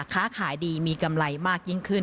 ค้าขายดีมีกำไรมากยิ่งขึ้น